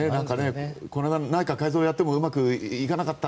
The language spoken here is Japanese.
内閣改造をやってもうまくいかなかった。